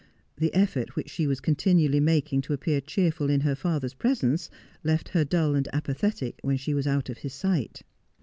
The effort which she was continually making to appear cheerful in her father's presence, left her dull and apathetic when she was out of his sight.